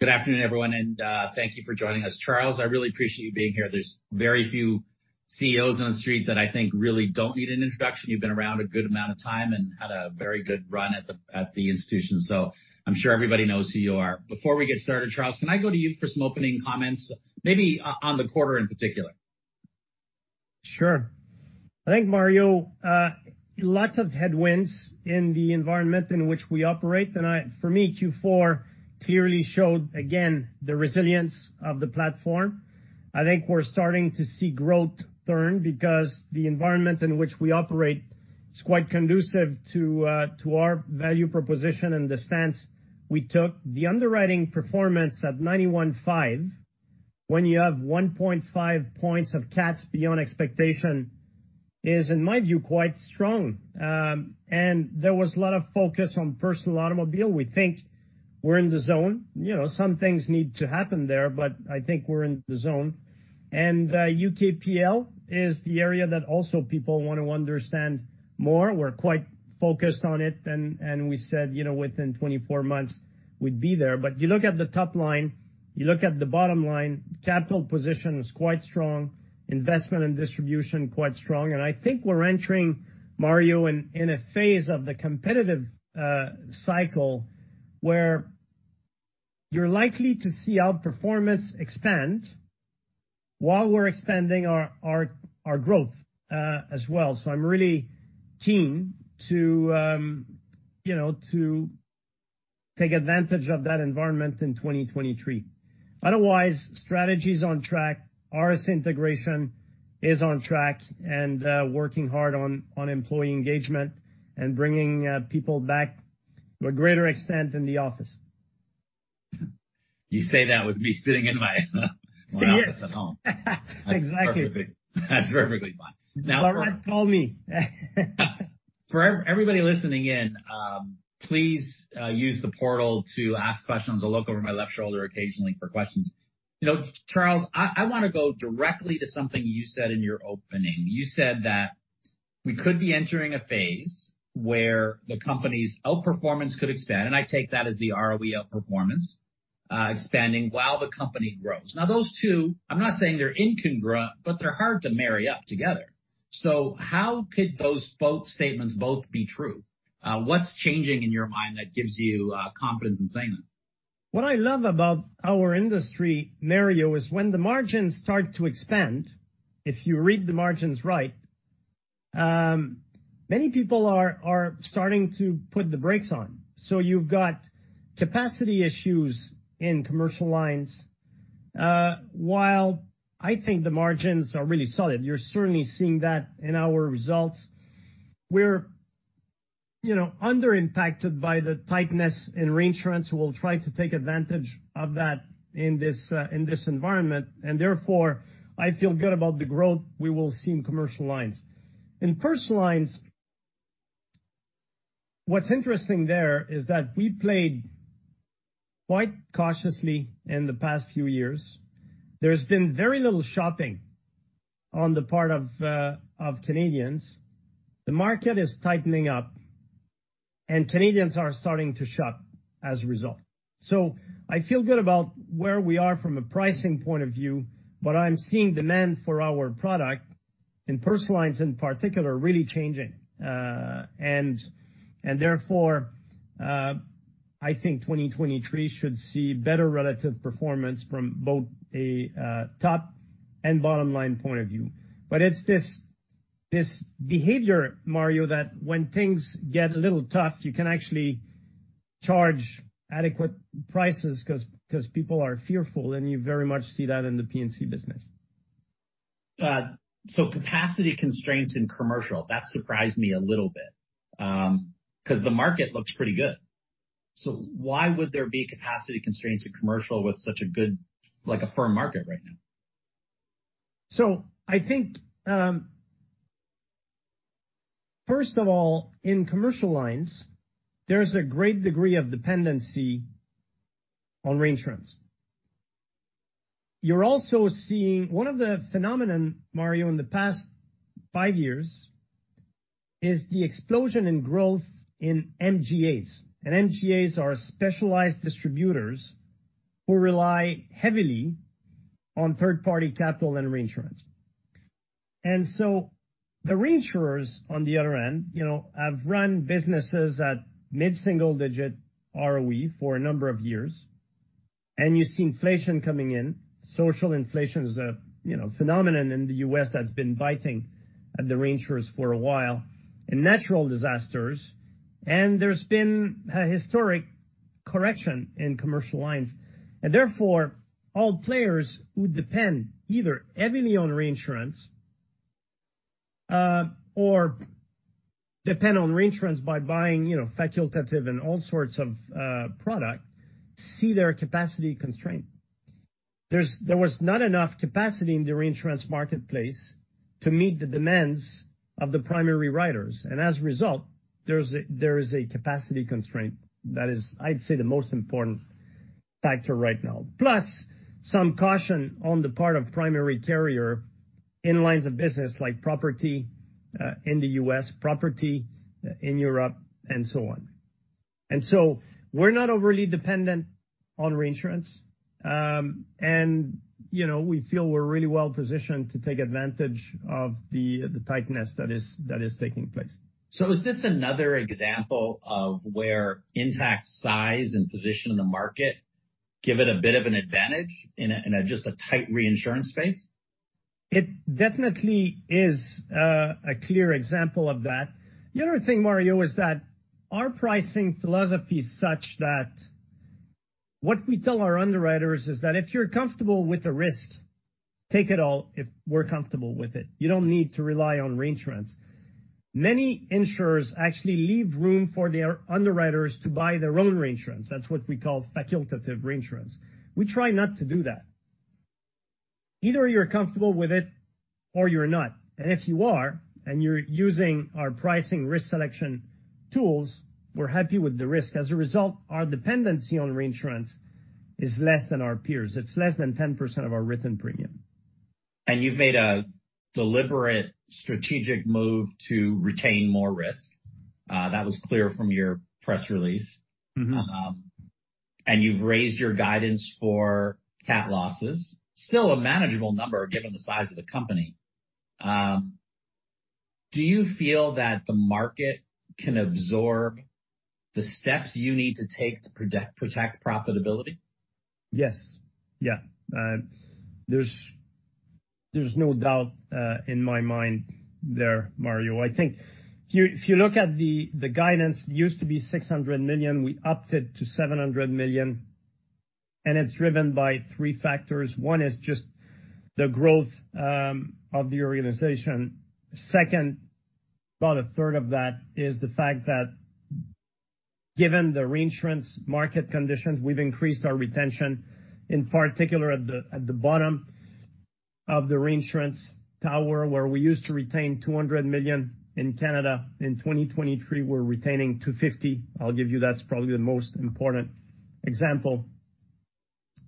Good afternoon, everyone, thank you for joining us. Charles, I really appreciate you being here. There's very few CEOs on the street that I think really don't need anintroduction. You've been around a good amount of time and had a very good run at the institution, I'm sure everybody knows who you are. Before we get started, Charles, can I go to you for some opening comments, maybe on the quarter in particular? Sure. I think, Mario, lots of headwinds in the environment in which we operate, and for me, Q4 clearly showed, again, the resilience of the platform. I think we're starting to see growth turn because the environment in which we operate is quite conducive to our value proposition and the stance we took. The underwriting performance at 91.5%, when you have 1.5 points of cats beyond expectation, is, in my view, quite strong. There was a lot of focus on personal automobile. We think we're in the zone. You know, some things need to happen there, but I think we're in the zone. UKPL is the area that also people want to understand more. We're quite focused on it, and we said, you know, within 24 months we'd be there. You look at the top line, you look at the bottom line, capital position is quite strong, investment and distribution, quite strong. I think we're entering, Mario, in a phase of the competitive cycle, where you're likely to see outperformance expand while we're expanding our growth as well. I'm really keen to, you know, to take advantage of that environment in 2023. Otherwise, strategy's on track, RSA integration is on track, and working hard on employee engagement and bringing people back to a greater extent in the office. You say that with me sitting in my office at home. Exactly. That's perfectly fine. All right, call me. For everybody listening in, please use the portal to ask questions. I'll look over my left shoulder occasionally for questions. You know, Charles, I wanna go directly to something you said in your opening. You said that we could be entering a phase where the company's outperformance could expand, and I take that as the ROE outperformance expanding while the company grows. Now, those two, I'm not saying they're incongruent, but they're hard to marry up together. How could those both statements both be true? What's changing in your mind that gives you confidence in saying that? What I love about our industry, Mario, is when the margins start to expand, if you read the margins right, many people are starting to put the brakes on. You've got capacity issues in commercial lines, while I think the margins are really solid. You're certainly seeing that in our results. We're, you know, under-impacted by the tightness in reinsurance. We'll try to take advantage of that in this environment. Therefore, I feel good about the growth we will see in commercial lines. In personal lines, what's interesting there is that we played quite cautiously in the past few years. There's been very little shopping on the part of Canadians. The market is tightening up. Canadians are starting to shop as a result. I feel good about where we are from a pricing point of view, but I'm seeing demand for our product, in personal lines in particular, really changing. And therefore, I think 2023 should see better relative performance from both a top and bottom line point of view. It's this behavior, Mario, that when things get a little tough, you can actually charge adequate prices 'cause people are fearful, and you very much see that in the P&C business. Capacity constraints in commercial, that surprised me a little bit, 'cause the market looks pretty good. Why would there be capacity constraints in commercial with such a good, like a firm market right now? I think, first of all, in commercial lines, there's a great degree of dependency on reinsurance. One of the phenomenon, Mario, in the past five years, is the explosion in growth in MGAs. MGAs are specialized distributors who rely heavily on third-party capital and reinsurance. The reinsurers, on the other hand, you know, have run businesses at mid-single-digit ROE for a number of years. You see inflation coming in. Social inflation is a, you know, phenomenon in the U.S. that's been biting at the reinsurers for a while. Natural disasters, there's been a historic correction in commercial lines. All players who depend either heavily on reinsurance, or depend on reinsurance by buying, you know, facultative and all sorts of product, see their capacity constrained. There was not enough capacity in the reinsurance marketplace to meet the demands of the primary writers, as a result, there is a capacity constraint that is, I'd say, the most important factor right now. Plus, some caution on the part of primary carrier-... in lines of business, like property, in the U.S., property in Europe, and so on. We're not overly dependent on reinsurance. You know, we feel we're really well positioned to take advantage of the tightness that is, that is taking place. Is this another example of where Intact's size and position in the market give it a bit of an advantage in a just a tight reinsurance space? It definitely is a clear example of that. The other thing, Mario, is that our pricing philosophy is such that what we tell our underwriters is that if you're comfortable with the risk, take it all if we're comfortable with it. You don't need to rely on reinsurance. Many insurers actually leave room for their underwriters to buy their own reinsurance. That's what we call facultative reinsurance. We try not to do that. Either you're comfortable with it or you're not, and if you are, and you're using our pricing risk selection tools, we're happy with the risk. As a result, our dependency on reinsurance is less than our peers. It's less than 10% of our written premium. You've made a deliberate strategic move to retain more risk. That was clear from your press release. Mm-hmm. You've raised your guidance for cat losses, still a manageable number, given the size of the company. Do you feel that the market can absorb the steps you need to take to protect profitability? Yes. Yeah. There's no doubt in my mind there, Mario. I think if you look at the guidance, it used to be 600 million. We upped it to 700 million. It's driven by three factors. One is just the growth of the organization. Second, about a third of that is the fact that given the reinsurance market conditions, we've increased our retention, in particular at the bottom of the reinsurance tower, where we used to retain 200 million in Canada, in 2023, we're retaining 250 million. I'll give you, that's probably the most important example.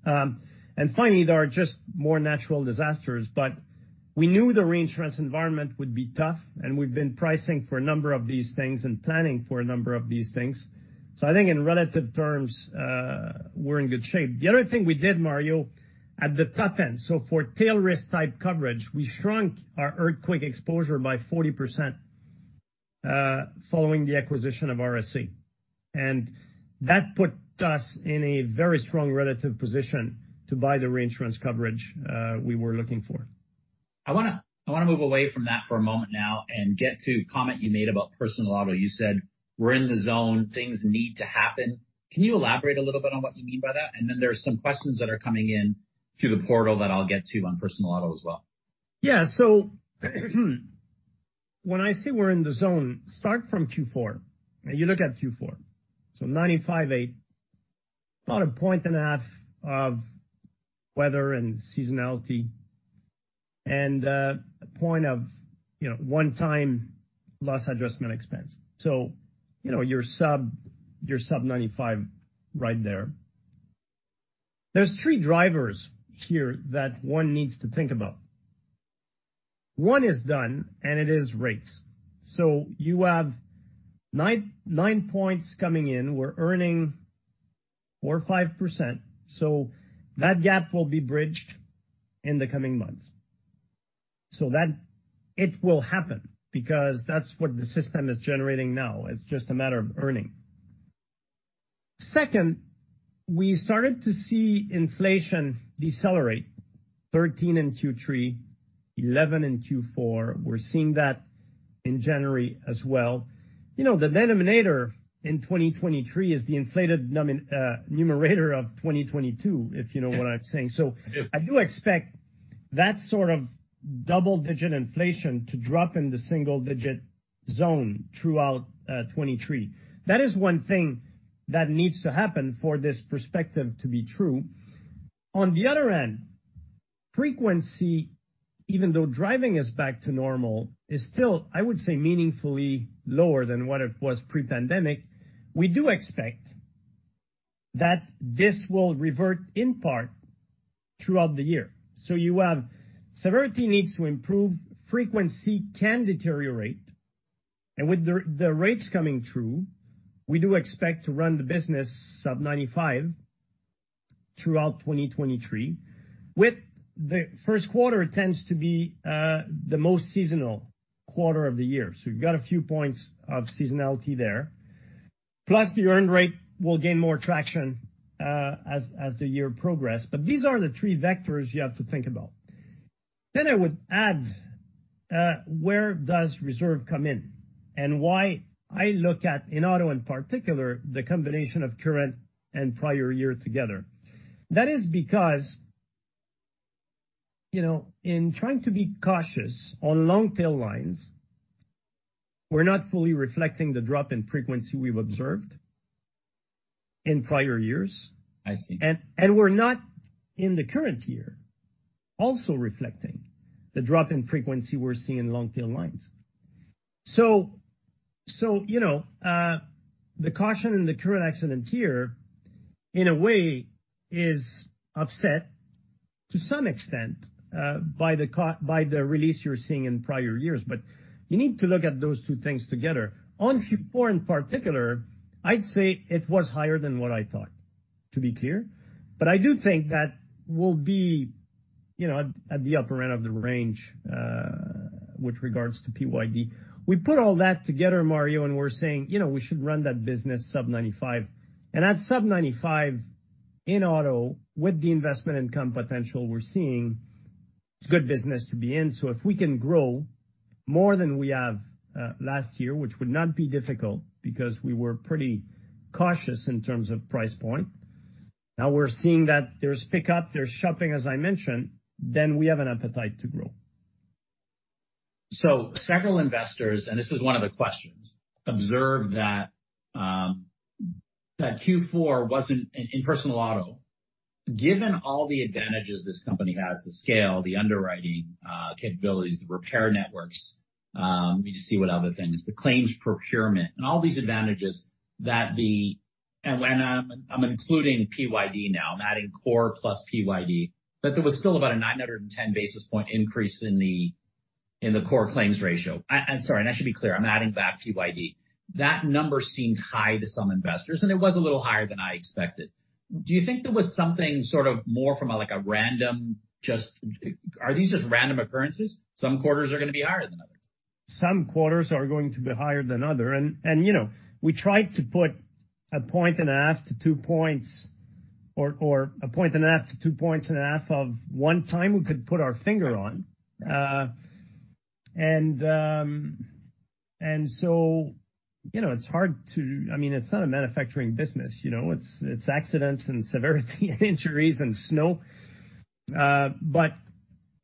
Finally, there are just more natural disasters. We knew the reinsurance environment would be tough. We've been pricing for a number of these things and planning for a number of these things. I think in relative terms, we're in good shape. The other thing we did, Mario, at the top end, so for tail risk type coverage, we shrunk our earthquake exposure by 40%, following the acquisition of RSA. That put us in a very strong relative position to buy the reinsurance coverage, we were looking for. I wanna move away from that for a moment now and get to a comment you made about personal auto. You said, "We're in the zone. Things need to happen." Can you elaborate a little bit on what you mean by that? Then there are some questions that are coming in through the portal that I'll get to on personal auto as well. When I say we're in the zone, start from Q4. When you look at Q4, 95, about 1.5 points of weather and seasonality and, you know, one point of one-time loss adjustment expense. You know, you're sub-95 right there. There's three drivers here that one needs to think about. One is done, and it is rates. You have nine points coming in. We're earning 4% or 5%, so that gap will be bridged in the coming months. It will happen because that's what the system is generating now. It's just a matter of earning. Second, we started to see inflation decelerate, 13 in Q3, 11 in Q4. We're seeing that in January as well. You know, the denominator in 2023 is the inflated numerator of 2022, if you know what I'm saying. Yep. I do expect that sort of double-digit inflation to drop in the single digit zone throughout 2023. That is one thing that needs to happen for this perspective to be true. On the other end, frequency, even though driving is back to normal, is still, I would say, meaningfully lower than what it was pre-pandemic. We do expect that this will revert in part throughout the year. You have severity needs to improve, frequency can deteriorate, and with the rates coming through, we do expect to run the business sub-95 throughout 2023, with the first quarter tends to be the most seasonal quarter of the year. You've got a few points of seasonality there. Plus, the earned rate will gain more traction as the year progressed. These are the three vectors you have to think about. I would add, where does reserve come in? Why I look at, in auto in particular, the combination of current and prior year together? That is because, you know, in trying to be cautious on long tail lines, we're not fully reflecting the drop in frequency we've observed in prior years. I see. We're not in the current year, also reflecting the drop in frequency we're seeing in long tail lines. You know, the caution in the current accident year, in a way, is upset to some extent, by the release you're seeing in prior years. You need to look at those two things together. On Q4 in particular, I'd say it was higher than what I thought, to be clear. I do think that we'll be, you know, at the upper end of the range, with regards to PYD. We put all that together, Mario, and we're saying: You know, we should run that business sub-95. At sub-95, in auto, with the investment income potential we're seeing, it's good business to be in. If we can grow more than we have last year, which would not be difficult because we were pretty cautious in terms of price point, now we're seeing that there's pickup, there's shopping, as I mentioned, then we have an appetite to grow. Several investors, and this is one of the questions, observed that Q4 wasn't, in personal auto. Given all the advantages this company has, the scale, the underwriting capabilities, the repair networks, we just see what other things, the claims procurement and all these advantages and I'm including PYD now, I'm adding core plus PYD. There was still about a 910-basis point increase in the, in the core claims ratio. I'm sorry, and I should be clear, I'm adding back PYD. That number seemed high to some investors, and it was a little higher than I expected. Do you think there was something sort of more from a, like a random? Are these just random occurrences? Some quarters are gonna be higher than others. Some quarters are going to be higher than other. You know, we tried to put 1.5 points to two points or 1.5 points to 2.5 points of one time we could put our finger on. You know, I mean, it's not a manufacturing business, you know? It's accidents and severity and injuries and snow, but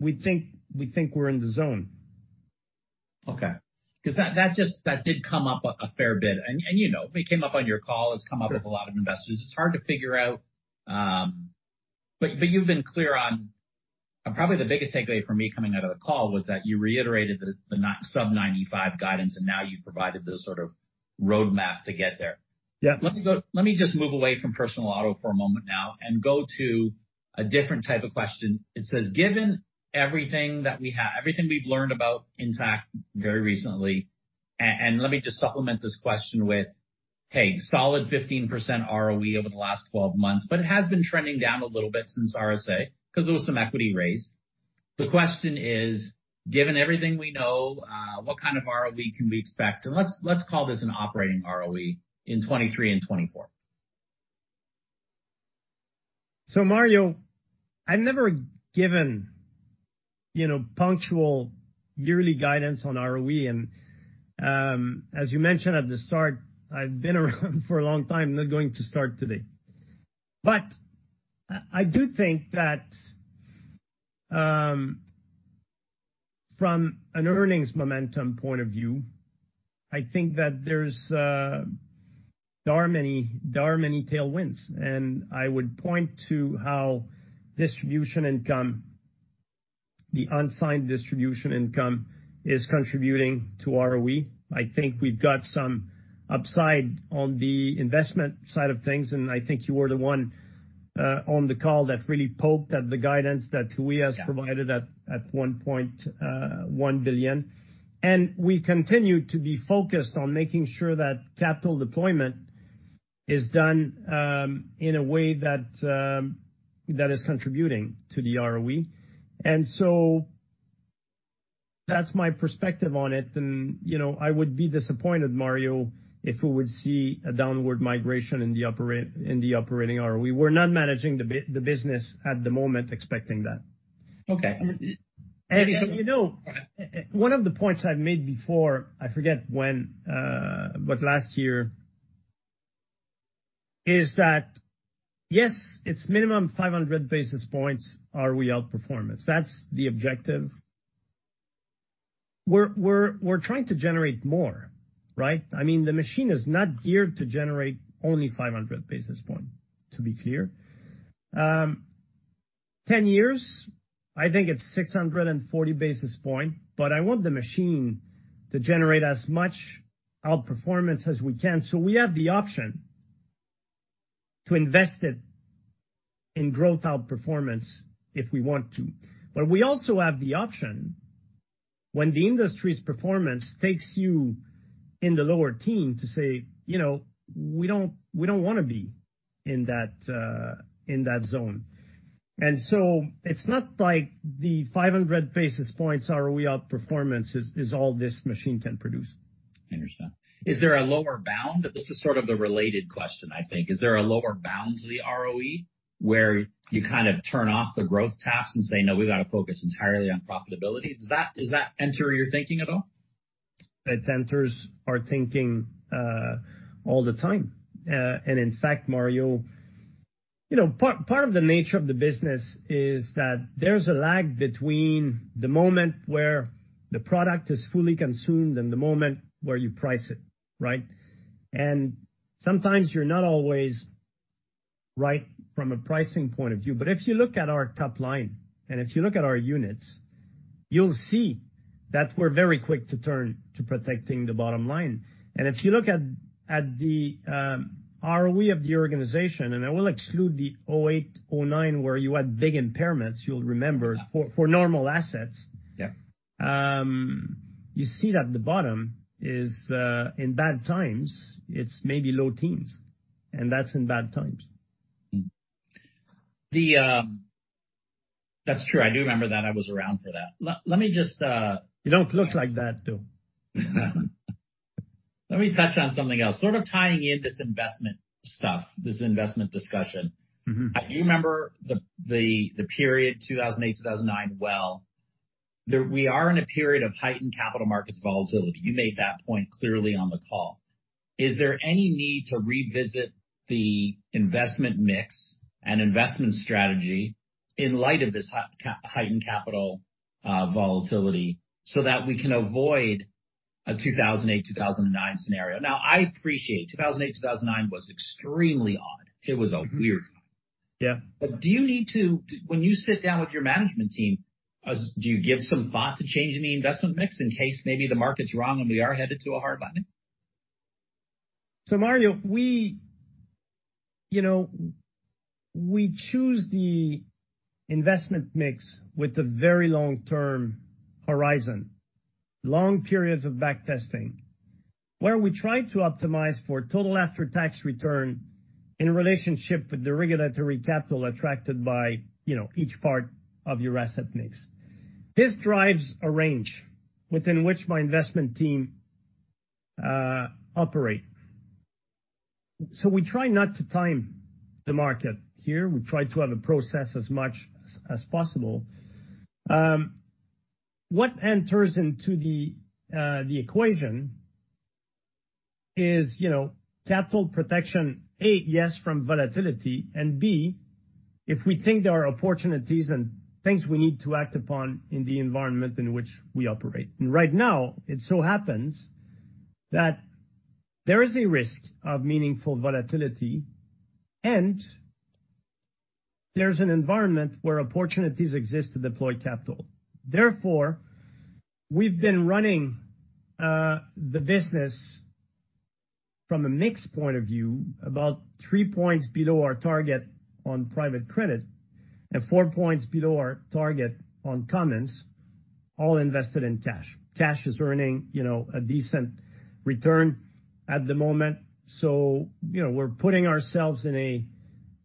we think we're in the zone. Okay. That just, that did come up a fair bit. You know, it came up on your call, it's come up with a lot of investors. It's hard to figure out. You've been clear on, and probably the biggest takeaway for me coming out of the call was that you reiterated the sub-95 guidance, and now you've provided the sort of roadmap to get there. Yeah. Let me just move away from personal auto for a moment now and go to a different type of question. It says: Given everything that we have, everything we've learned about Intact very recently, and let me just supplement this question with, hey, solid 15% ROE over the last 12 months, but it has been trending down a little bit since RSA, because there was some equity raise. The question is: Given everything we know, what kind of ROE can we expect? Let's call this an operating ROE in 2023 and 2024. Mario, I've never given, you know, punctual yearly guidance on ROE, and, as you mentioned at the start, I've been around for a long time, I'm not going to start today. I do think that, from an earnings momentum point of view, I think that there are many tailwinds, and I would point to how distribution income, the On Side distribution income, is contributing to ROE. I think we've got some upside on the investment side of things, and I think you were the one, on the call that really poked at the guidance that we has provided at one point, $1 billion. We continue to be focused on making sure that capital deployment is done, in a way that is contributing to the ROE. That's my perspective on it, and, you know, I would be disappointed, Mario, if we would see a downward migration in the operating ROE. We're not managing the business at the moment, expecting that. Okay. You know, one of the points I've made before, I forget when, but last year, is that, yes, it's minimum 500 basis points ROE outperformance. That's the objective. We're trying to generate more, right? I mean, the machine is not geared to generate only 500 basis points, to be clear. 10 years, I think it's 640 basis points, but I want the machine to generate as much outperformance as we can. We have the option to invest it in growth outperformance if we want to. We also have the option, when the industry's performance takes you in the lower team, to say, "You know, we don't, we don't want to be in that, in that zone." It's not like the 500 basis points ROE outperformance is all this machine can produce. I understand. Is there a lower bound? This is sort of the related question, I think. Is there a lower bound to the ROE where you kind of turn off the growth taps and say, "No, we've got to focus entirely on profitability"? Does that enter your thinking at all? It enters our thinking, all the time. In fact, Mario, you know, part of the nature of the business is that there's a lag between the moment where the product is fully consumed and the moment where you price it, right? Sometimes you're not always right from a pricing point of view. If you look at our top line, and if you look at our units, you'll see that we're very quick to turn to protecting the bottom line. If you look at the ROE of the organization, and I will exclude the 2008, 2009, where you had big impairments, you'll remember, for normal assets. Yeah. You see that the bottom is, in bad times, it's maybe low teens, and that's in bad times. That's true. I do remember that. I was around for that. Let me just. You don't look like that, though. Let me touch on something else. Sort of tying in this investment stuff, this investment discussion. Mm-hmm. I do remember the period 2008, 2009 well. We are in a period of heightened capital markets volatility. You made that point clearly on the call. Is there any need to revisit the investment mix and investment strategy in light of this heightened capital volatility so that we can avoid a 2008, 2009 scenario? Now, I appreciate 2008, 2009 was extremely odd. It was a weird time. Yeah. When you sit down with your management team, do you give some thought to changing the investment mix in case maybe the market's wrong, and we are headed to a hard landing? Mario, we, you know, we choose the investment mix with a very long-term horizon, long periods of back testing, where we try to optimize for total after-tax return in relationship with the regulatory capital attracted by, you know, each part of your asset mix. This drives a range within which my investment team operate. We try not to time the market here. We try to have a process as much as possible. What enters into the equation is, you know, capital protection, A, yes, from volatility, and B, if we think there are opportunities and things we need to act upon in the environment in which we operate. Right now, it so happens that there is a risk of meaningful volatility, and there's an environment where opportunities exist to deploy capital. We've been running, the business from a mix point of view, about three points below our target on private credit and four points below our target on commons, all invested in cash. Cash is earning, you know, a decent return at the moment. You know, we're putting ourselves in a,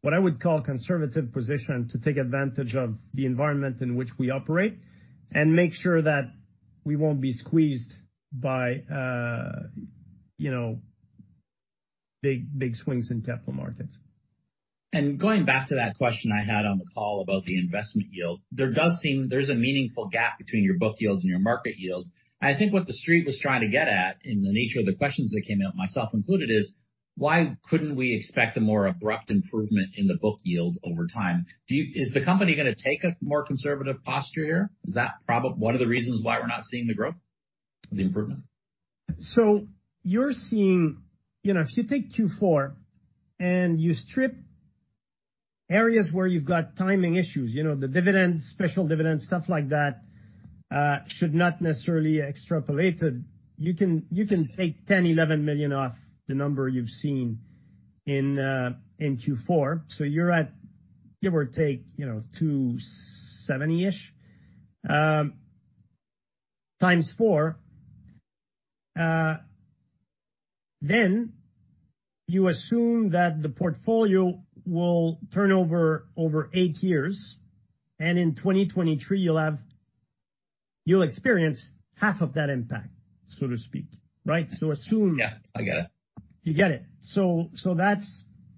what I would call, conservative position to take advantage of the environment in which we operate and make sure that we won't be squeezed by, you know, big swings in capital markets. Going back to that question I had on the call about the investment yield, there's a meaningful gap between your book yields and your market yield. I think what the Street was trying to get at, in the nature of the questions that came out, myself included, is, why couldn't we expect a more abrupt improvement in the book yield over time? Is the company gonna take a more conservative posture here? Is that one of the reasons why we're not seeing the growth, the improvement? You're seeing... You know, if you take Q4, and you strip areas where you've got timing issues, you know, the dividends, special dividends, stuff like that, should not necessarily extrapolated. You can take 10 million, 11 million off the number you've seen in Q4. You're at, give or take, you know, CAD 270-ish, 4x. You assume that the portfolio will turn over eight years, and in 2023, you'll experience half of that impact, so to speak. Right? Yeah, I get it. You get it. That's,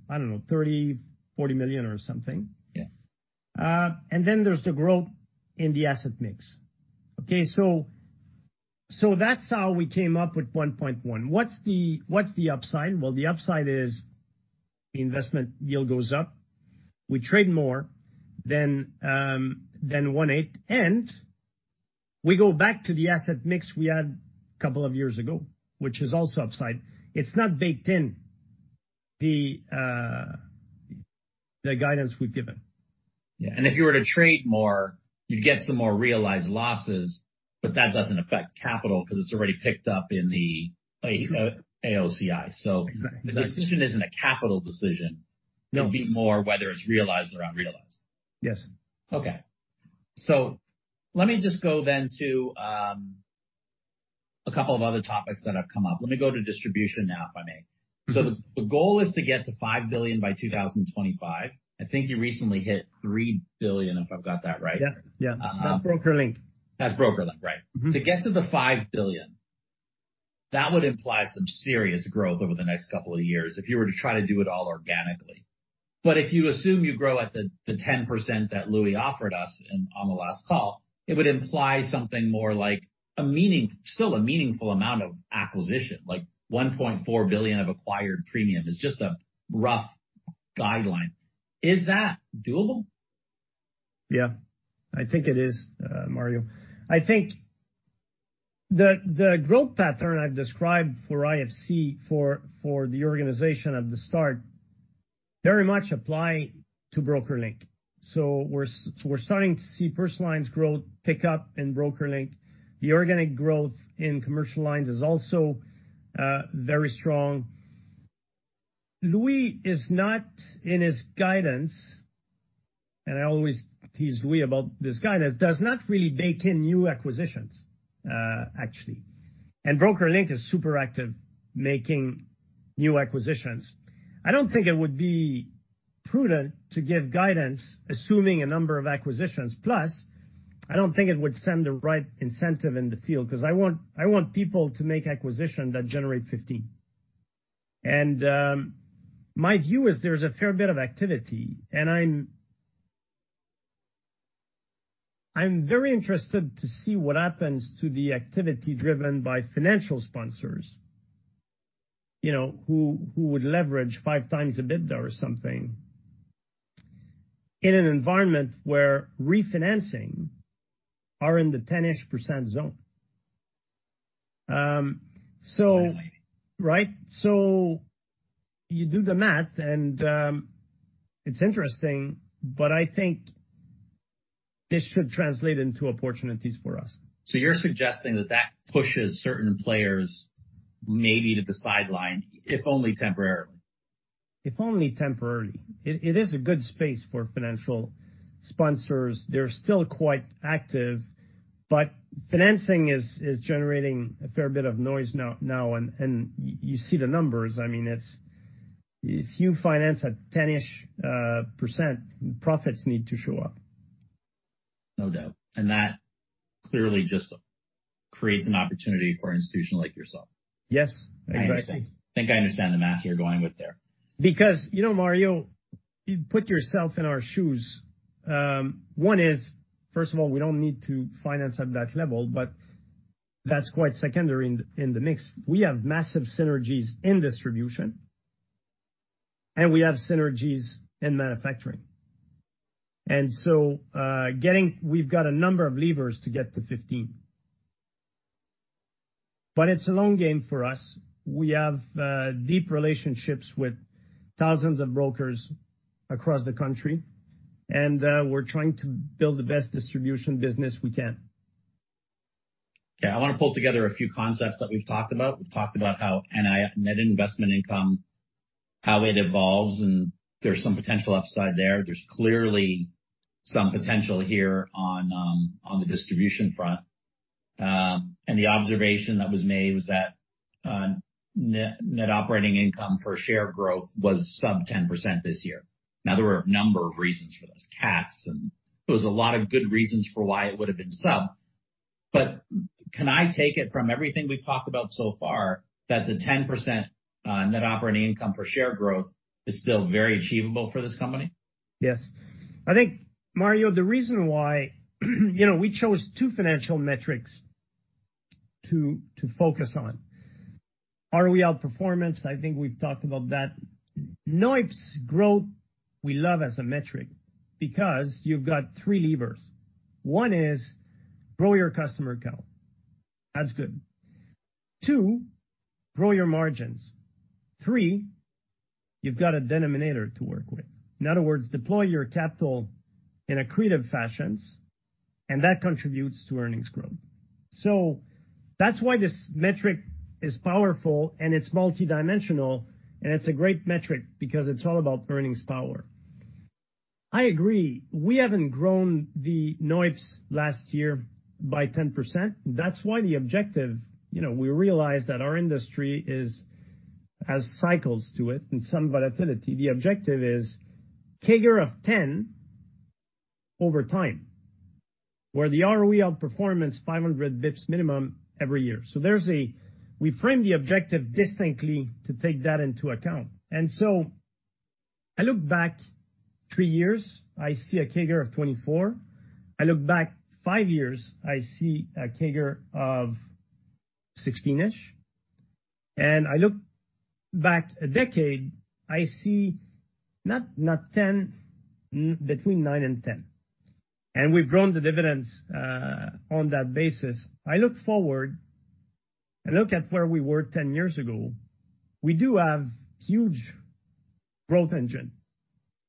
I don't know, 30 million, 40 million or something. Yeah. There's the growth in the asset mix. That's how we came up with 1.1. What's the, what's the upside? The upside is, the investment yield goes up. We trade more than 1/8, and we go back to the asset mix we had a couple of years ago, which is also upside. It's not baked in the guidance we've given. Yeah. If you were to trade more, you'd get some more realized losses, but that doesn't affect capital because it's already picked up in the AOCI. Exactly. The decision isn't a capital decision. No. It'd be more whether it's realized or unrealized. Yes. Okay. let me just go then to a couple of other topics that have come up. Let me go to distribution now, if I may. Mm-hmm. The goal is to get to 5 billion by 2025. I think you recently hit 3 billion, if I've got that right. Yeah. Yeah. Uh. That's BrokerLink. That's BrokerLink, right. Mm-hmm. To get to the 5 billion, that would imply some serious growth over the next couple of years if you were to try to do it all organically. But if you assume you grow at the 10% that Louis offered us on the last call, it would imply something more like a still meaningful amount of acquisition, like 1.4 billion of acquired premium. It's just a rough guideline. Is that doable? Yeah. I think it is, Mario. The growth pattern I've described for IFC, for the organization at the start, very much apply to BrokerLink. We're starting to see personal lines growth pick up in BrokerLink. The organic growth in commercial lines is also very strong. Louis is not in his guidance, and I always tease Louis about this guidance, does not really bake in new acquisitions, actually, and BrokerLink is super active making new acquisitions. I don't think it would be prudent to give guidance, assuming a number of acquisitions, plus, I don't think it would send the right incentive in the field, 'cause I want people to make acquisition that generate 15. My view is there's a fair bit of activity, and I'm very interested to see what happens to the activity driven by financial sponsors, you know, who would leverage 5x EBITDA or something, in an environment where refinancing are in the 10-ish % zone. Exactly. Right? You do the math, and it's interesting, but I think this should translate into opportunities for us. You're suggesting that that pushes certain players maybe to the sideline, if only temporarily? If only temporarily. It is a good space for financial sponsors. They're still quite active, but financing is generating a fair bit of noise now, and you see the numbers. I mean, it's if you finance at 10-ish %, profits need to show up. No doubt. That clearly just creates an opportunity for an institution like yourself. Yes, exactly. I think I understand the math you're going with there. You know, Mario, you put yourself in our shoes. one is, first of all, we don't need to finance at that level, but that's quite secondary in the mix. We have massive synergies in distribution, and we have synergies in manufacturing. We've got a number of levers to get to 15. It's a long game for us. We have deep relationships with thousands of brokers across the country, and we're trying to build the best distribution business we can. I wanna pull together a few concepts that we've talked about. We've talked about how NII, net investment income, how it evolves, and there's some potential upside there. There's clearly some potential here on the distribution front. The observation that was made was that net operating income per share growth was sub 10% this year. There were a number of reasons for this, tax, and there was a lot of good reasons for why it would have been sub. Can I take it from everything we've talked about so far, that the 10% net operating income per share growth is still very achievable for this company? Yes. I think, Mario, the reason why, you know, we chose 2 financial metrics to focus on. ROE outperformance, I think we've talked about that. NOIPS growth, we love as a metric, because you've got 3 levers. 1 is, grow your customer count. That's good. 2, grow your margins. 3, you've got a denominator to work with. In other words, deploy your capital in accretive fashions, and that contributes to earnings growth. That's why this metric is powerful, and it's multidimensional, and it's a great metric because it's all about earnings power. I agree, we haven't grown the NOIPS last year by 10%. That's why the objective, you know, we realize that our industry is, has cycles to it and some volatility. The objective is CAGR of 10% over time, where the ROE outperformance 500 bips minimum every year. There's a... I look back three years, I see a CAGR of 24. I look back five years, I see a CAGR of 16-ish. I look back a decade, I see between nine and 10. We've grown the dividends on that basis. I look forward and look at where we were 10 years ago, we do have huge growth engine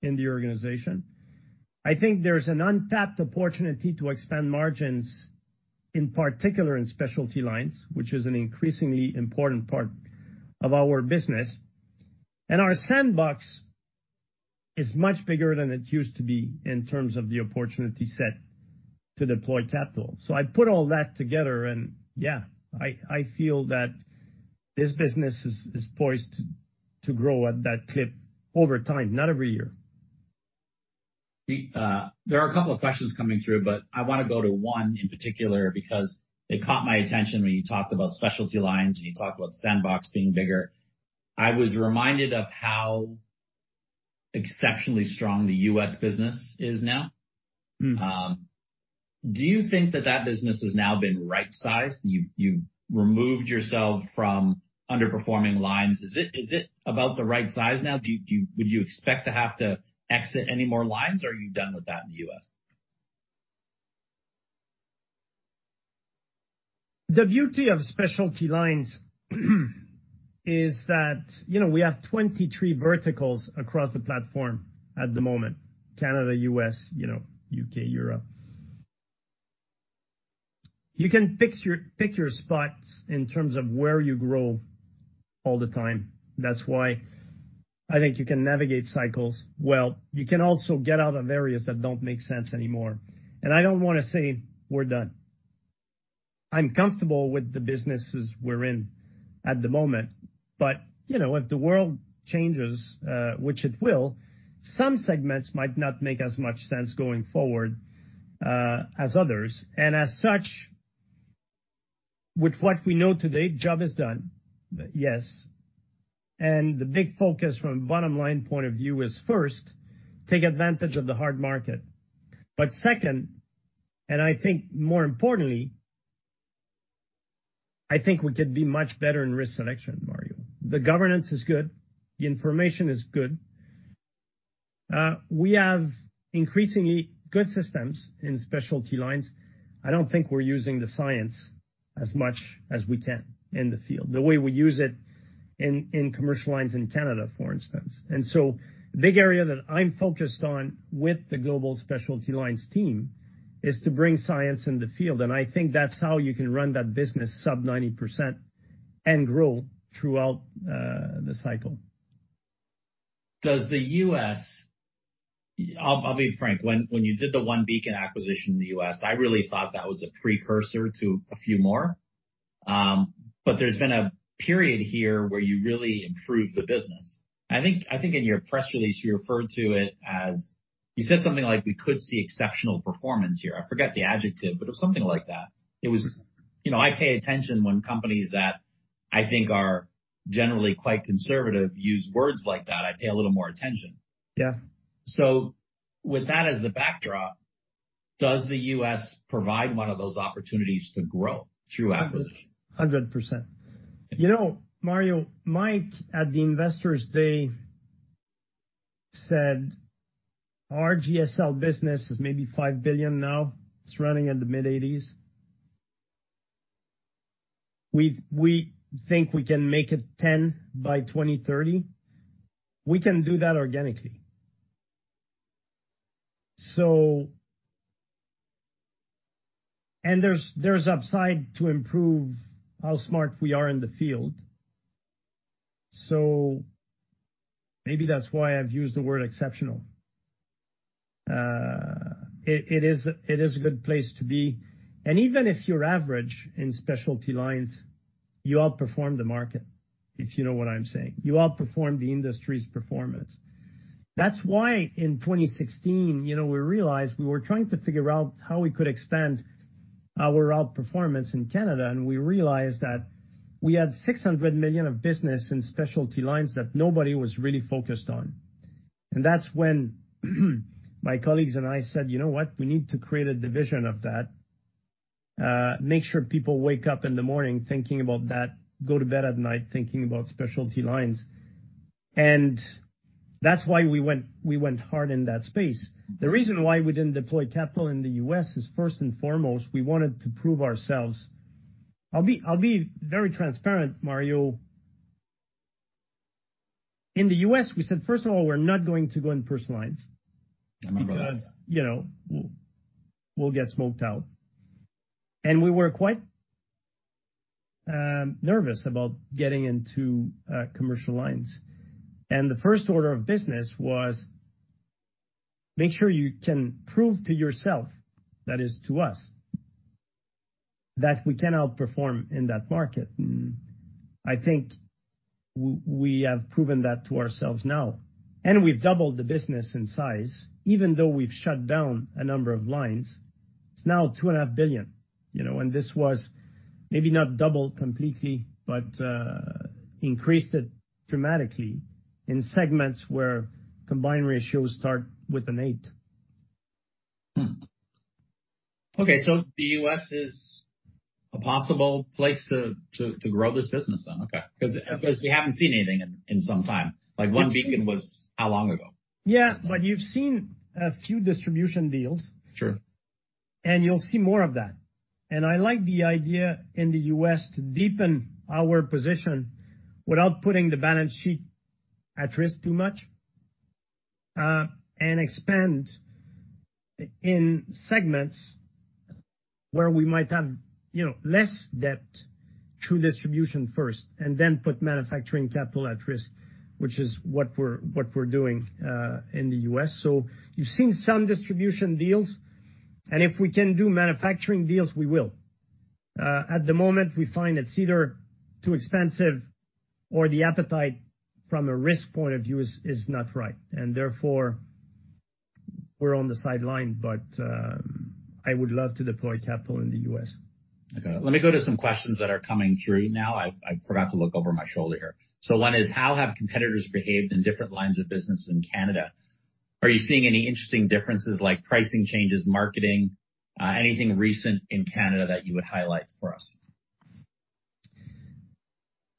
in the organization. I think there's an untapped opportunity to expand margins, in particular in specialty lines, which is an increasingly important part of our business. Our sandbox is much bigger than it used to be in terms of the opportunity set to deploy capital. I put all that together, and, yeah, I feel that this business is poised to grow at that clip over time, not every year. There are a couple of questions coming through. I wanna go to one in particular because it caught my attention when you talked about specialty lines, and you talked about sandbox being bigger. I was reminded of how exceptionally strong the U.S. business is now. Mm-hmm. Do you think that that business has now been right-sized? You've removed yourself from underperforming lines. Is it about the right size now? Do you would you expect to have to exit any more lines, or are you done with that in the U.S.? The beauty of specialty lines is that, you know, we have 23 verticals across the platform at the moment, Canada, US, you know, UK, Europe. You can pick your spots in terms of where you grow all the time. That's why I think you can navigate cycles well. You can also get out of areas that don't make sense anymore. I don't want to say we're done. I'm comfortable with the businesses we're in at the moment, but, you know, if the world changes, which it will, some segments might not make as much sense going forward, as others. As such, with what we know today, job is done. Yes. The big focus from a bottom-line point of view is, first, take advantage of the hard market. Second, and I think more importantly, I think we could be much better in risk selection, Mario. The governance is good, the information is good. We have increasingly good systems in specialty lines. I don't think we're using the science as much as we can in the field, the way we use it in commercial lines in Canada, for instance. The big area that I'm focused on with the global specialty lines team is to bring science in the field, and I think that's how you can run that business sub-90% and grow throughout the cycle. I'll be frank, when you did the OneBeacon acquisition in the U.S., I really thought that was a precursor to a few more. There's been a period here where you really improved the business. I think in your press release, you said something like: We could see exceptional performance here. I forget the adjective; it was something like that. You know, I pay attention when companies that I think are generally quite conservative use words like that, I pay a little more attention. Yeah. With that as the backdrop, does the U.S. provide one of those opportunities to grow through acquisition? 100%. You know, Mario, Mike, at the Investors Day, said our GSL business is maybe 5 billion now. It's running in the mid-eighties. We think we can make it 10 billion by 2030. We can do that organically. And there's upside to improve how smart we are in the field. Maybe that's why I've used the word exceptional. It is a good place to be. Even if you're average in specialty lines, you outperform the market, if you know what I'm saying. You outperform the industry's performance. That's why in 2016, you know, we realized we were trying to figure out how we could expand our outperformance in Canada, and we realized that we had 600 millions of business in specialty lines that nobody was really focused on. That's when my colleagues and I said: You know what? We need to create a division of that, make sure people wake up in the morning thinking about that, go to bed at night, thinking about specialty lines. That's why we went hard in that space. The reason why we didn't deploy capital in the U.S. is, first and foremost, we wanted to prove ourselves. I'll be very transparent, Mario. In the U.S., we said, first of all, we're not going to go in personal lines- I remember that. Because, you know, we'll get smoked out. We were quite nervous about getting into commercial lines. The first order of business was: Make sure you can prove to yourself, that is, to us, that we can outperform in that market. I think we have proven that to ourselves now, and we've doubled the business in size, even though we've shut down a number of lines. It's now two and a half billion, you know, and this was maybe not doubled completely, but increased it dramatically in segments where combined ratios start with an eight. Okay, the U.S. is a possible place to grow this business then? Okay. Yeah. Because we haven't seen anything in some time. Like, OneBeacon was how long ago? You've seen a few distribution deals. Sure. You'll see more of that. I like the idea in the U.S. to deepen our position without putting the balance sheet at risk too much, and expand in segments where we might have, you know, less debt through distribution first, and then put manufacturing capital at risk, which is what we're doing in the U.S. You've seen some distribution deals, and if we can do manufacturing deals, we will. At the moment, we find it's either too expensive or the appetite from a risk point of view is not right, and therefore, we're on the sideline. I would love to deploy capital in the U.S. Okay. Let me go to some questions that are coming through now. I forgot to look over my shoulder here. One is: How have competitors behaved in different lines of business in Canada? Are you seeing any interesting differences, like pricing changes, marketing, anything recent in Canada that you would highlight for us?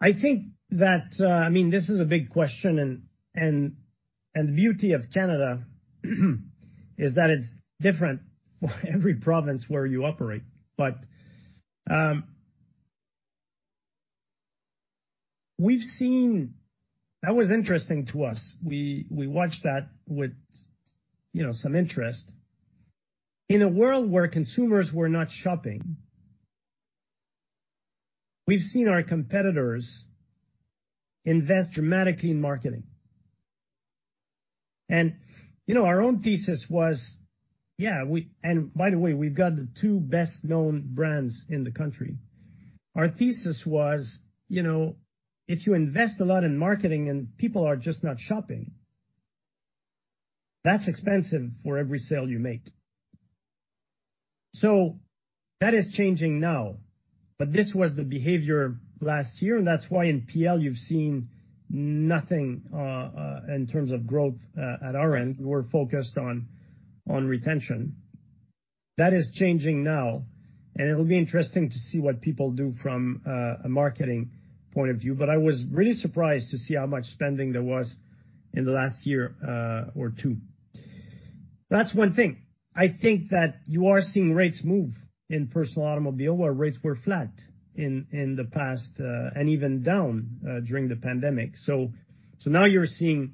I think that, I mean, this is a big question, and the beauty of Canada, is that it's different for every province where you operate. That was interesting to us. We watched that with, you know, some interest. In a world where consumers were not shopping, we've seen our competitors invest dramatically in marketing. You know, our own thesis was, by the way, we've got the two best-known brands in the country. Our thesis was, you know, if you invest a lot in marketing and people are just not shopping, that's expensive for every sale you make. That is changing now, but this was the behavior last year, and that's why in PL, you've seen nothing in terms of growth at our end. We're focused on retention. That is changing now, and it'll be interesting to see what people do from a marketing point of view, but I was really surprised to see how much spending there was in the last year or two. That's one thing. I think that you are seeing rates move in personal automobile, where rates were flat in the past and even down during the pandemic. Now you're seeing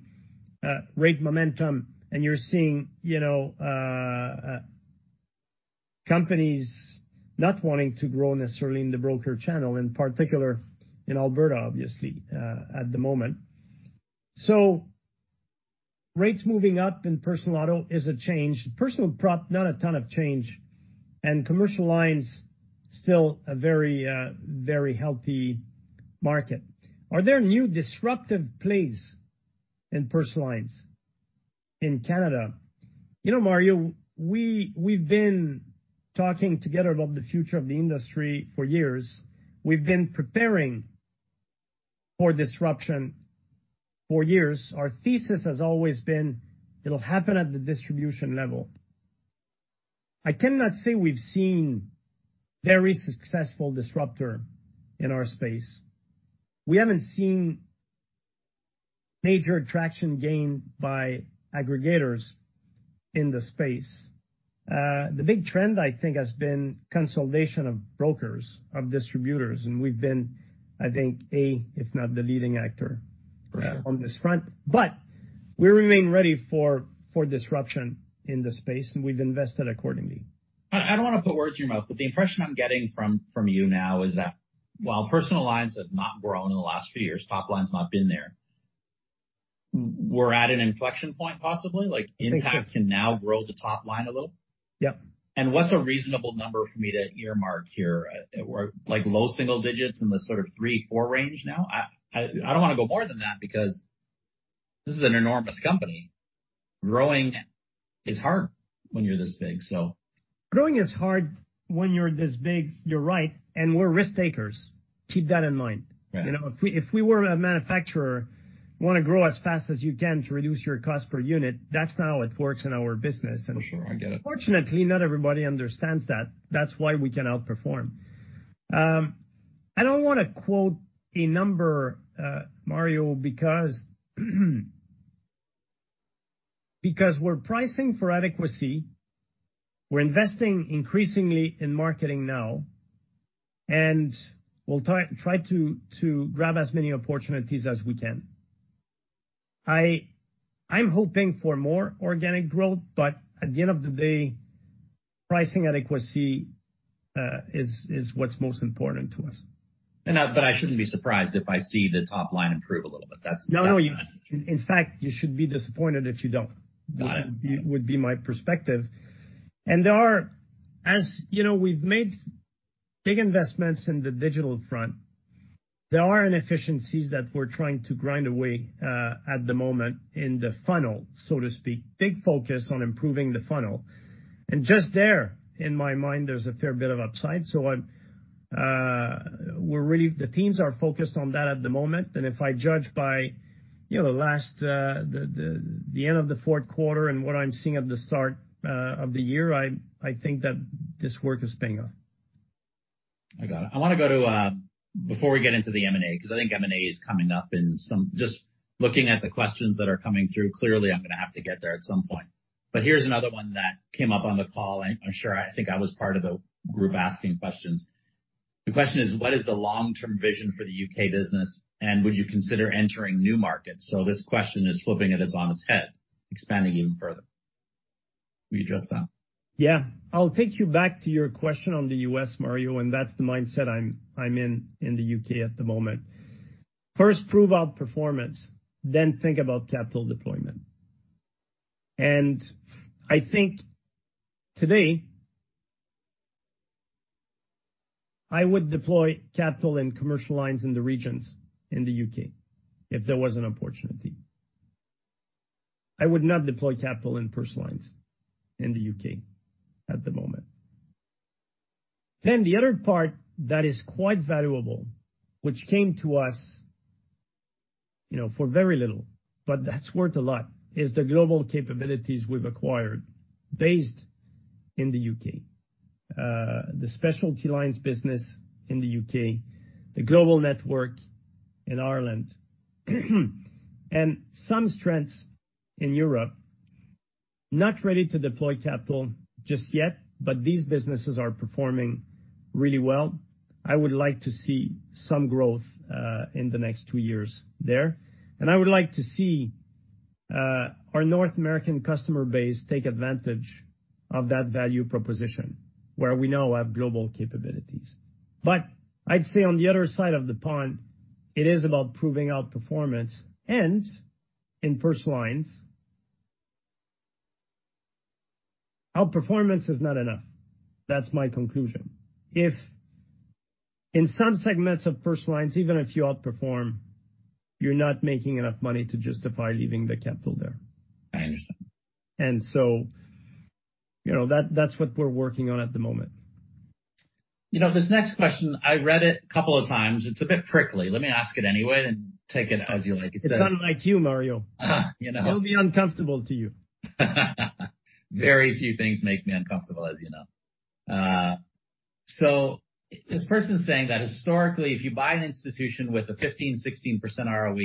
rate momentum, and you're seeing, you know, companies not wanting to grow necessarily in the broker channel, in particular, in Alberta, obviously, at the moment. Rates moving up in personal auto is a change. Personal prop, not a ton of change, and commercial lines, still a very healthy market. Are there new disruptive plays in personal lines in Canada? You know, Mario, we've been talking together about the future of the industry for years. We've been preparing for disruption for years. Our thesis has always been, it'll happen at the distribution level. I cannot say we've seen very successful disruptor in our space. We haven't seen major traction gained by aggregators in the space. The big trend, I think, has been consolidation of brokers, of distributors, and we've been, I think, if not the leading actor- For sure. On this front, we remain ready for disruption in the space. We've invested accordingly. I don't want to put words in your mouth, but the impression I'm getting from you now is that while personal lines have not grown in the last few years, top line's not been there, we're at an inflection point, possibly? Like, Intact. I think so. can now grow the top line a little. Yep. What's a reasonable number for me to earmark here? At where, like, low single digits in the sort of three, four range now? I don't want to go more than that because this is an enormous company. Growing is hard when you're this big, so... Growing is hard when you're this big, you're right, and we're risk takers. Keep that in mind. Right. You know, if we were a manufacturer, want to grow as fast as you can to reduce your cost per unit, that's not how it works in our business. For sure, I get it. Unfortunately, not everybody understands that. That's why we can outperform. I don't want to quote a number, Mario, because we're pricing for adequacy, we're investing increasingly in marketing now, and we'll try to grab as many opportunities as we can. I'm hoping for more organic growth, but at the end of the day, pricing adequacy is what's most important to us. I shouldn't be surprised if I see the top line improve a little bit. No, no. In fact, you should be disappointed if you don't. Got it. Would be my perspective. There are, as you know, we've made big investments in the digital front, there are inefficiencies that we're trying to grind away at the moment in the funnel, so to speak. Big focus on improving the funnel. Just there, in my mind, there's a fair bit of upside. I'm, the teams are focused on that at the moment, and if I judge by, you know, the last, the end of the fourth quarter and what I'm seeing at the start of the year, I think that this work is paying off. I got it. I want to go to, before we get into the M&A, because I think M&A is coming up in some. Just looking at the questions that are coming through, clearly, I'm going to have to get there at some point. Here's another one that came up on the call. I'm sure, I think I was part of the group asking questions. The question is: What is the long-term vision for the UK business, and would you consider entering new markets? This question is flipping it as on its head, expanding even further. Will you address that? Yeah. I'll take you back to your question on the U.S., Mario, that's the mindset I'm in in the U.K. at the moment. First, prove out performance, think about capital deployment. I think today, I would deploy capital in commercial lines in the regions, in the U.K., if there was an opportunity. I would not deploy capital in personal lines in the U.K. at the moment. The other part that is quite valuable, which came to us, you know, for very little, but that's worth a lot, is the global capabilities we've acquired based in the U.K. The specialty lines business in the U.K., the global network in Ireland, and some strengths in Europe. Not ready to deploy capital just yet. These businesses are performing really well. I would like to see some growth in the next two years there. I would like to see, our North American customer base take advantage of that value proposition, where we now have global capabilities. I'd say on the other side of the pond, it is about proving outperformance, and in first lines, outperformance is not enough. That's my conclusion. If in some segments of first lines, even if you outperform, you're not making enough money to justify leaving the capital there. I understand. You know, that's what we're working on at the moment. You know, this next question, I read it a couple of times. It's a bit prickly. Let me ask it anyway and take it as you like it. It's unlike you, Mario. You know? It'll be uncomfortable to you. Very few things make me uncomfortable, as you know. This person's saying that historically, if you buy an institution with a 15%, 16% ROE,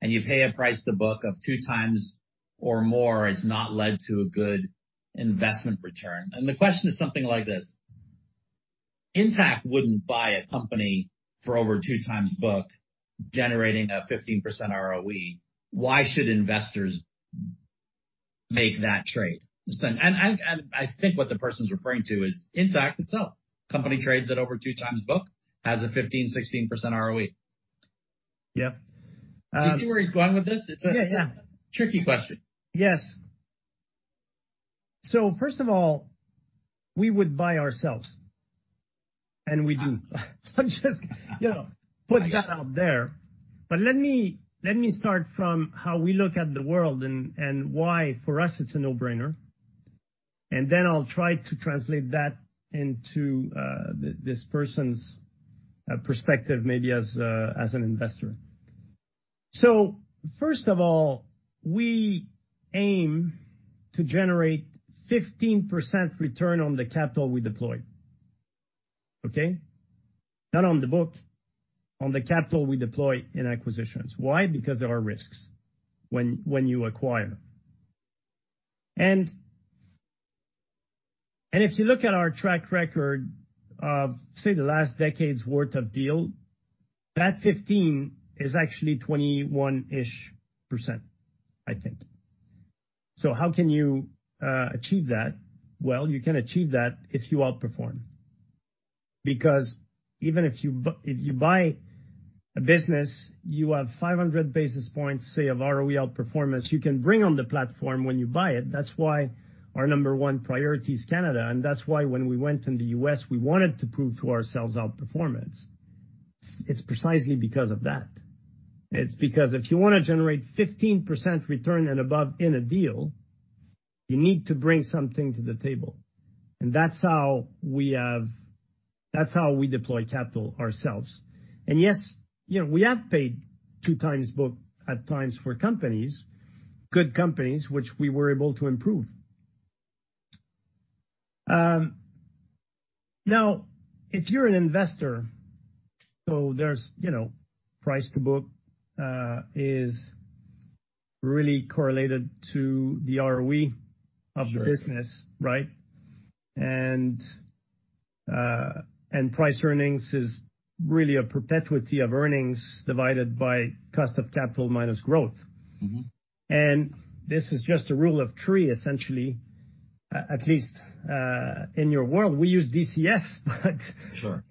and you pay a price to book of 2x or more, it's not led to a good investment return. The question is something like this: Intact wouldn't buy a company for over 2x book, generating a 15% ROE. Why should investors make that trade? I think what the person's referring to is Intact itself. Company trades at over 2x book, has a 15%, 16% ROE. Yeah. Do you see where he's going with this? Yeah. Yeah. It's a tricky question. Yes. First of all, we would buy ourselves, and we do. Just, you know, put that out there. Let me, let me start from how we look at the world and why, for us, it's a no-brainer. Then I'll try to translate that into this person's perspective, maybe as an investor. First of all, we aim to generate 15% return on the capital we deploy. Okay? Not on the book, on the capital we deploy in acquisitions. Why? Because there are risks when you acquire. If you look at our track record of, say, the last decade's worth of deal, that 15 is actually 21-ish%, I think. How can you achieve that? You can achieve that if you outperform. Even if you buy a business, you have 500 basis points, say, of ROE outperformance, you can bring on the platform when you buy it. That's why our number one priority is Canada, and that's why when we went in the U.S., we wanted to prove to ourselves outperformance. It's precisely because of that. It's because if you wanna generate 15% return and above in a deal, you need to bring something to the table. That's how we deploy capital ourselves. Yes, you know, we have paid 2x books at times for companies, good companies, which we were able to improve. Now, if you're an investor, so there's, you know, price to book is really correlated to the ROE of the business, right? Sure. price earnings is really a perpetuity of earnings divided by cost of capital minus growth. Mm-hmm. this is just a rule of three, essentially, at least, in your world. We use DCS. Sure.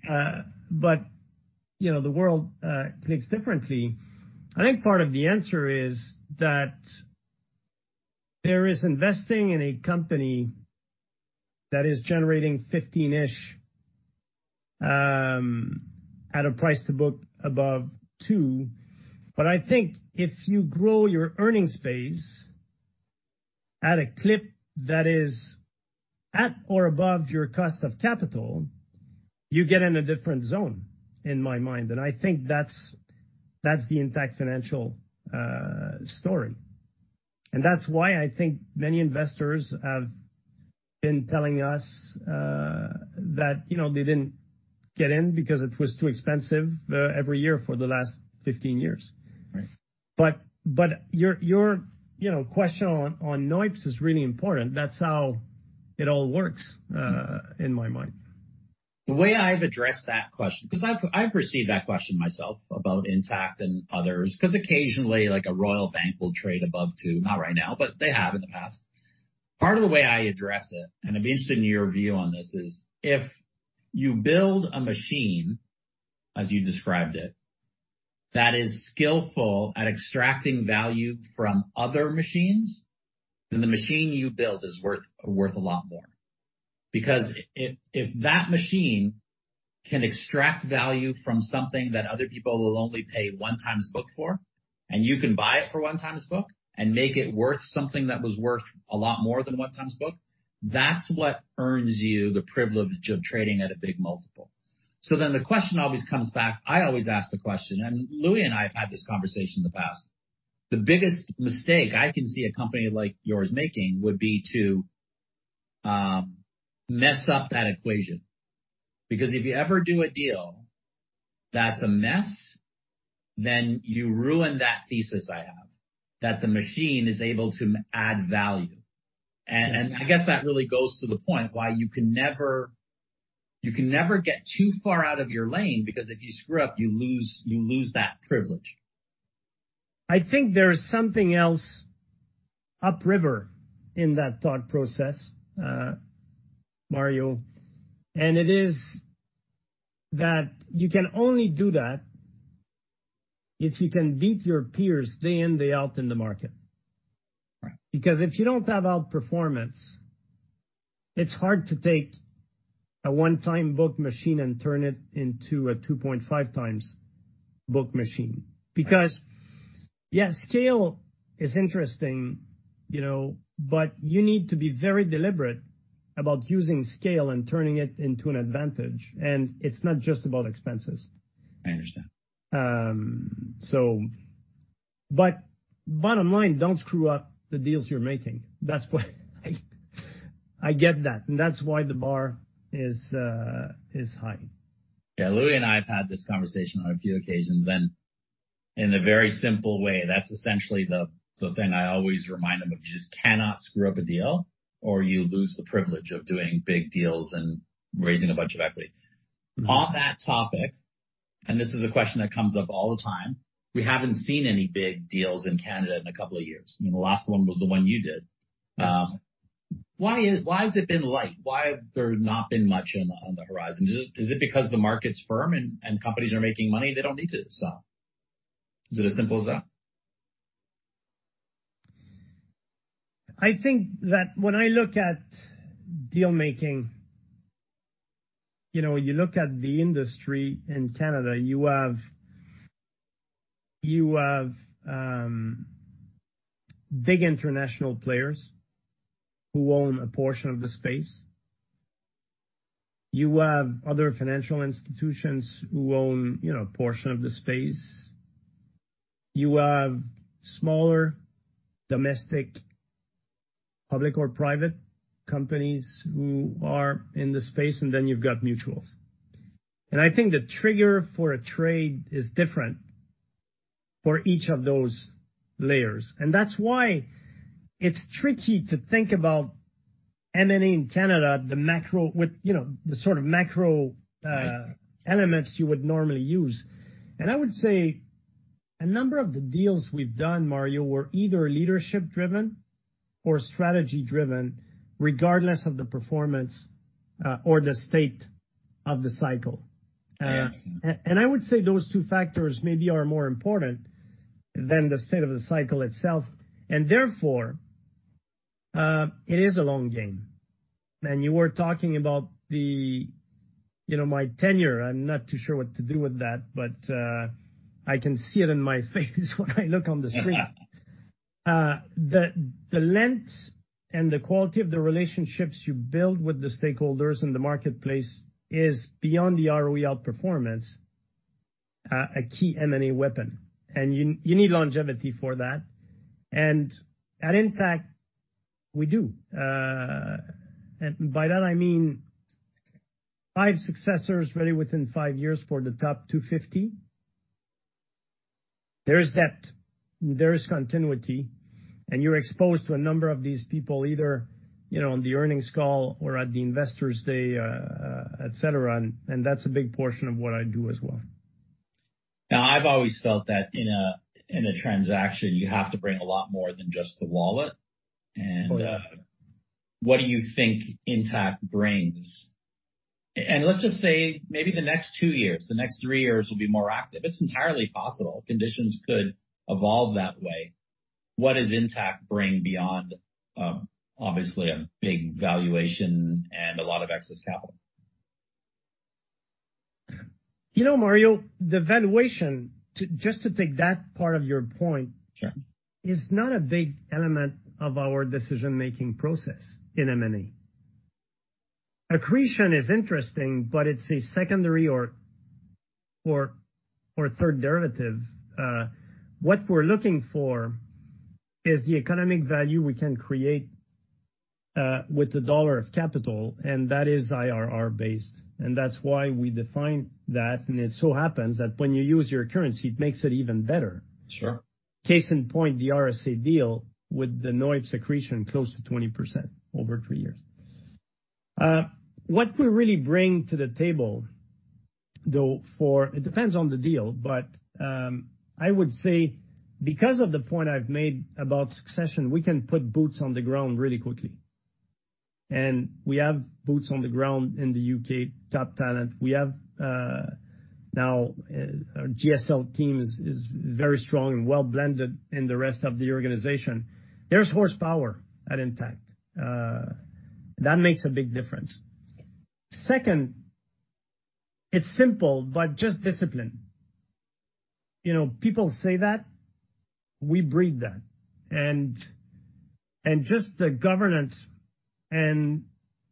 You know, the world clicks differently. I think part of the answer is that there is investing in a company that is generating 15-ish at a price to book above two. I think if you grow your earnings phase at a clip that is at or above your cost of capital, you get in a different zone, in my mind. I think that's the Intact Financial story. That's why I think many investors have been telling us that, you know, they didn't get in because it was too expensive every year for the last 15 years. Right. Your, you know, question on NOIPS is really important. That's how it all works in my mind. The way I've addressed that question, because I've received that question myself about Intact and others, because occasionally, like a Royal Bank will trade above two, not right now, but they have in the past. Part of the way I address it, and I'm interested in your view on this, is if you build a machine, as you described it, that is skillful at extracting value from other machines, then the machine you build is worth a lot more. Because if that machine can extract value from something that other people will only pay 1x book for, and you can buy it for 1x book and make it worth something that was worth a lot more than 1x book, that's what earns you the privilege of trading at a big multiple. The question always comes back. I always ask the question, Louis and I have had this conversation in the past. The biggest mistake I can see a company like yours making would be to mess up that equation. If you ever do a deal that's a mess, then you ruin that thesis I have, that the machine is able to add value. I guess that really goes to the point why you can never get too far out of your lane, because if you screw up, you lose that privilege. I think there is something else upriver in that thought process, Mario, and it is that you can only do that if you can beat your peers day in, day out in the market. Right. If you don't have outperformance, it's hard to take a one-time book machine and turn it into a 2.5x book machine. Yeah, scale is interesting, you know, but you need to be very deliberate about using scale and turning it into an advantage. It's not just about expenses. I understand. Bottom line don't screw up the deals you're making. That's why I get that, and that's why the bar is high. Yeah, Louis and I have had this conversation on a few occasions, and in a very simple way, that's essentially the thing I always remind him of. You just cannot screw up a deal, or you lose the privilege of doing big deals and raising a bunch of equity. Mm-hmm. On that topic, this is a question that comes up all the time, we haven't seen any big deals in Canada in a couple of years. I mean, the last one was the one you did. Why has it been light? Why have there not been much on the horizon? Is it because the market's firm and companies are making money, they don't need to sell? Is it as simple as that? I think that when I look at deal making, you know, when you look at the industry in Canada, you have big international players who own a portion of the space. You have other financial institutions who own, you know, a portion of the space. You have smaller domestic, public or private companies who are in the space, and then you've got mutuals. I think the trigger for a trade is different for each of those layers, and that's why it's tricky to think about M&A in Canada, the macro with, you know, the sort of macro. Yes Elements you would normally use. I would say a number of the deals we've done, Mario, were either leadership driven or strategy driven, regardless of the performance, or the state of the cycle. I understand. I would say those two factors maybe are more important than the state of the cycle itself, and therefore, it is a long game. You were talking about the, you know, my tenure. I'm not too sure what to do with that, but I can see it in my face when I look on the screen. The length and the quality of the relationships you build with the stakeholders in the marketplace is beyond the ROE outperformance, a key M&A weapon, and you need longevity for that. At Intact, we do. By that I mean five successors really within five years for the top 250. There is depth, there is continuity, and you're exposed to a number of these people, either, you know, on the earnings call or at the investor's day, et cetera, and that's a big portion of what I do as well. I've always felt that in a transaction, you have to bring a lot more than just the wallet. Oh, yeah. What do you think Intact brings? Let's just say maybe the next two years, the next three years will be more active. It's entirely possible. Conditions could evolve that way. What does Intact bring beyond, obviously a big valuation and a lot of excess capital? You know, Mario, the valuation, just to take that part of your point. Sure Is not a big element of our decision-making process in M&A. Accretion is interesting, but it's a secondary or third derivative. What we're looking for is the economic value we can create, with the dollar of capital, and that is IRR-based, and that's why we define that. It so happens that when you use your currency, it makes it even better. Sure. Case in point, the RSA deal with the noise accretion close to 20% over three years. what we really bring to the table, though, It depends on the deal, but I would say because of the point I've made about succession, we can put boots on the ground really quickly. We have boots on the ground in the U.K., top talent. We have Now, our GSL team is very strong and well-blended in the rest of the organization. There's horsepower at Intact. That makes a big difference. Second, it's simple, but just discipline. You know, people say that, we breed that. just the governance and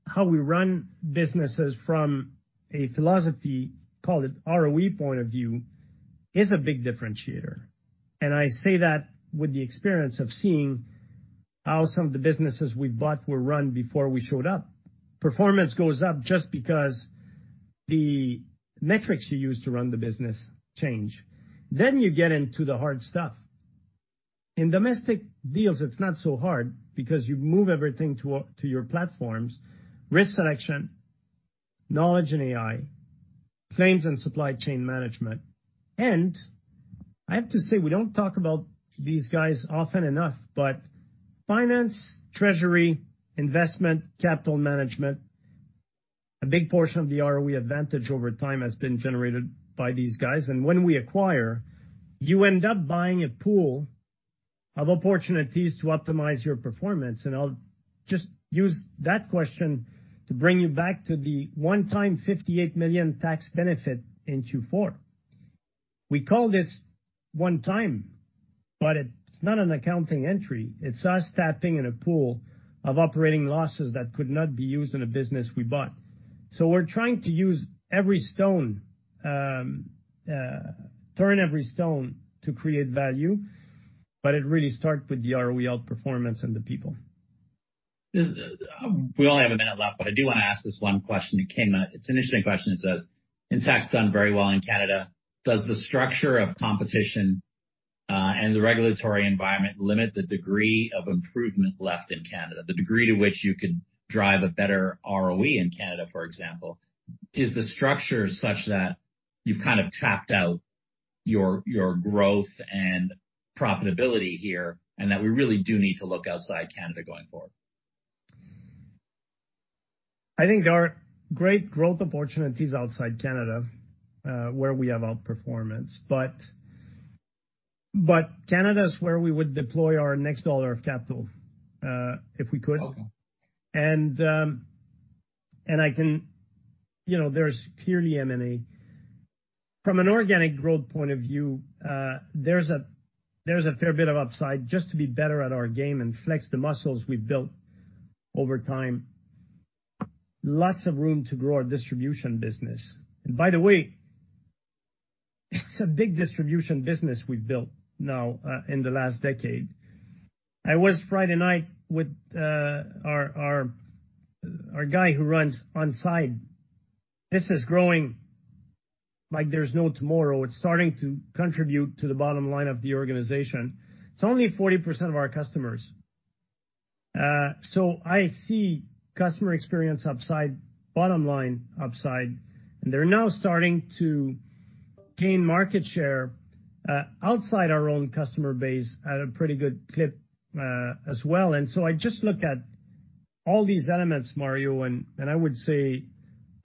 how we run businesses from a philosophy, call it ROE point of view, is a big differentiator. I say that with the experience of seeing how some of the businesses we bought were run before we showed up. Performance goes up just because the metrics you use to run the business change. You get into the hard stuff. In domestic deals, it's not so hard because you move everything to your platforms, risk selection, knowledge and AI, claims and supply chain management. I have to say, we don't talk about these guys often enough, but finance, treasury, investment, capital management, a big portion of the ROE advantage over time has been generated by these guys. When we acquire, you end up buying a pool of opportunities to optimize your performance. I'll just use that question to bring you back to the one-time 58 million tax benefit in Q4. We call this one time, but it's not an accounting entry. It's us tapping in a pool of operating losses that could not be used in a business we bought. We're trying to use every stone, turn every stone to create value, but it really start with the ROE outperformance and the people. We only have 1 minute left. I do want to ask this one question. It came up. It's an interesting question. It says: Intact's done very well in Canada. Does the structure of competition and the regulatory environment limit the degree of improvement left in Canada, the degree to which you could drive a better ROE in Canada, for example? Is the structure such that you've kind of tapped out your growth and profitability here, and that we really do need to look outside Canada going forward? I think there are great growth opportunities outside Canada, where we have outperformance, but Canada is where we would deploy our next dollar of capital if we could. Okay. You know, there's clearly M&A. From an organic growth point of view, there's a fair bit of upside just to be better at our game and flex the muscles we've built over time. Lots of room to grow our distribution business. By the way, it's a big distribution business we've built now, in the last decade. I was Friday night with our guy who runs OnSide. This is growing like there's no tomorrow. It's starting to contribute to the bottom line of the organization. It's only 40% of our customers. So I see customer experience upside, bottom line upside, and they're now starting to gain market share, outside our own customer base at a pretty good clip, as well. I just look at all these elements, Mario, and I would say,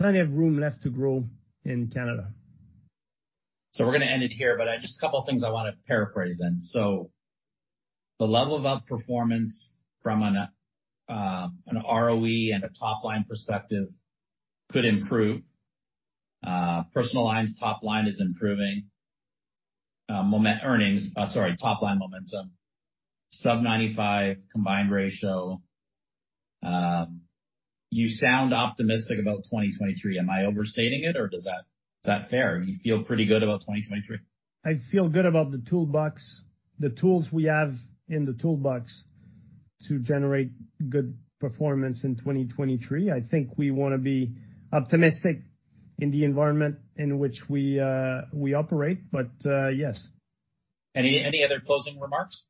plenty of room left to grow in Canada. We're gonna end it here, but just a couple of things I want to paraphrase then. The level of outperformance from an ROE and a top-line perspective could improve. Personal lines, top line is improving, earnings, sorry, top line momentum, sub-95 combined ratio. You sound optimistic about 2023. Am I overstating it, or is that fair? You feel pretty good about 2023? I feel good about the toolbox; the tools we have in the toolbox to generate good performance in 2023. I think we want to be optimistic in the environment in which we operate. yes. Any other closing remarks?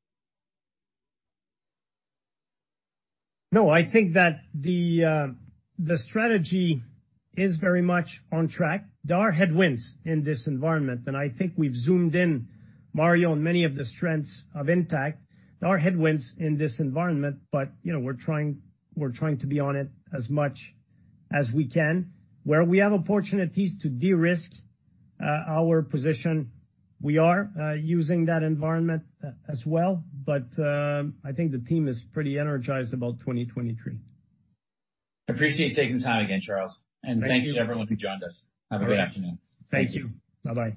I think that the strategy is very much on track. There are headwinds in this environment, and I think we've zoomed in, Mario, on many of the strengths of Intact. There are headwinds in this environment, you know, we're trying to be on it as much as we can. Where we have opportunities to de-risk, our position, we are, using that environment as well. I think the team is pretty energized about 2023. I appreciate you taking the time again, Charles. Thank you. Thank you to everyone who joined us. Have a good afternoon. Thank you. Bye-bye.